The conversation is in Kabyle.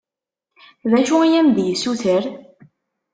D acu i am-d-yessuter?